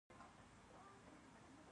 هرات د افغان ځوانانو د هیلو استازیتوب کوي.